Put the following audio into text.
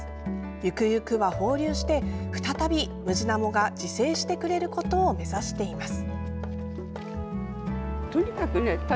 ゆくゆくは放流して再びムジナモが自生してくれることを目指しています。